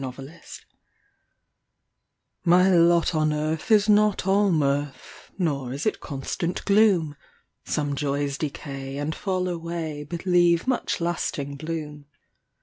MY LOT My lot on earth is not all mirth, Nor is it constant gloom; Some joys decay and fall away, But leave much lasting bloom.